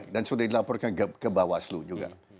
dan sudah dilaporkan ke bawaslu juga